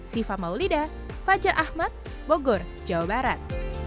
siva maulida fajar ahmad bogor jawa barat